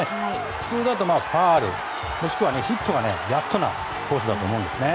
普通だとファウルもしくはヒットがやっとなコースだと思うんですね。